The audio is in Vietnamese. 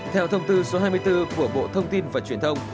theo thông tư số hai mươi bốn của bộ thông tin và truyền thông